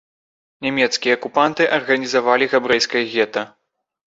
Нямецкія акупанты арганізавалі габрэйскае гета.